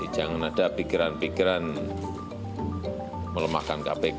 jangan ada pikiran pikiran melemahkan kpk